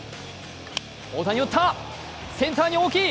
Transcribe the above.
大谷打った、センターに大きい！